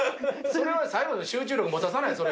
それは最後まで集中力持たさない？